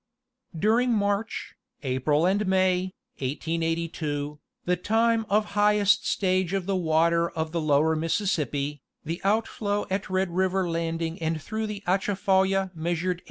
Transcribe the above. During March, April and May, 1882, the time of highest stage of the water of the lower Mississippi, the outflow at Red River Landing and through the Atchafalya measured 82.